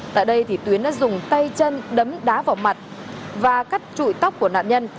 tại đây tuyến đã dùng tay chân đấm đá vào mặt và cắt trụi tóc của nạn nhân